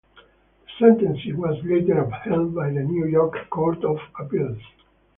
The sentence was later upheld by the New York Court of Appeals.